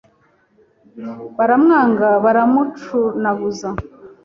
baramwanga baramucunaguza